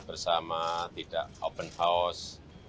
bersama tidak open house